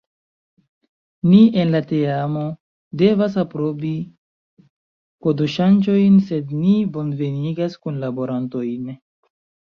Ni en la teamo devas aprobi kodoŝanĝojn, sed ni bonvenigas kunlaborantojn!